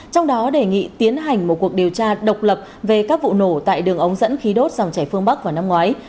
trong đó đề nghị tiến hành một cuộc điều tra độc lập về các vụ nổ tại đường ống dẫn khí đốt dòng chảy phương bắc vào năm ngoái